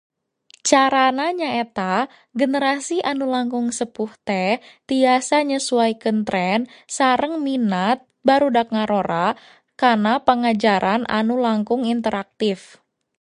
Cara na nyaeta generasi anu langkung sepuh teh tiasa nyesuaikeun trend sareng minat barudak ngarora kana pangajaran anu langkung interaktif.